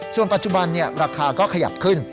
ส่วนปัจจุบันราคาก็ขยับขึ้น